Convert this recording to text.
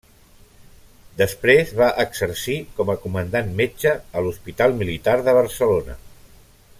Després va exercir, com a comandant metge, a l’Hospital Militar de Barcelona.